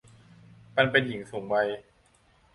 มันเป็นหญิงสูงวัย